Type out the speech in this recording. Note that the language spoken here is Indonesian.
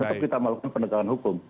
tetap kita melakukan pendekatan hukum